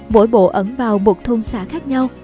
mỗi bộ ẩn vào một thôn xã khác nhau